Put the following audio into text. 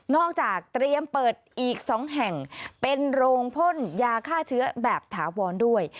จากเตรียมเปิดอีก๒แห่งเป็นโรงพ่นยาฆ่าเชื้อแบบถาวรด้วย